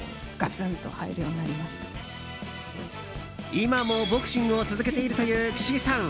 今もボクシングを続けているという岸井さん。